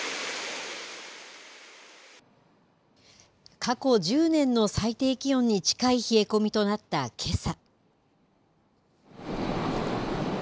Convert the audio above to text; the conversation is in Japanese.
過去１０年の最低気温に近い冷え込みとなったけさ。